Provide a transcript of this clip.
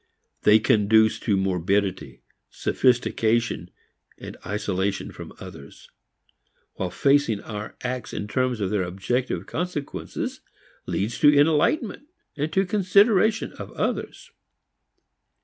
They conduce to morbidity, sophistication, isolation from others; while facing our acts in terms of their objective consequences leads to enlightenment and to consideration of others.